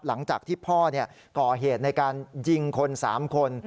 หลังจากที่พ่อก่อเหตุในการยิงคน๓คน